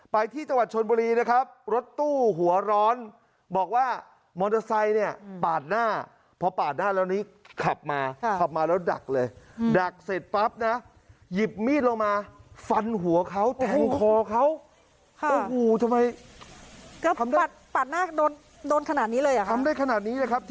ไปที่จังหวัดชนบุรีนะครับ